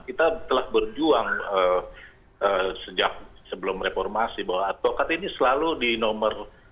kita telah berjuang sejak sebelum reformasi bahwa advokat ini selalu di nomor